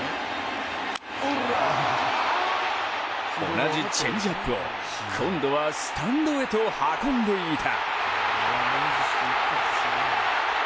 同じチェンジアップを今度はスタンドへと運んでいた。